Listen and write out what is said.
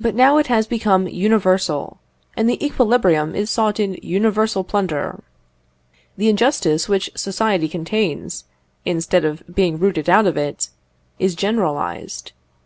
But now it has become universal, and the equilibrium is sought in universal plunder. The injustice which society contains, instead of being rooted out of it, is generalised.